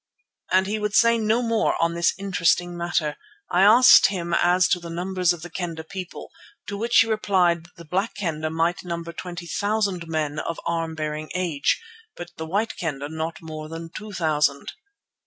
As he would say no more on this interesting matter, I asked him as to the numbers of the Kendah people, to which he replied that the Black Kendah might number twenty thousand men of arm bearing age, but the White Kendah not more than two thousand.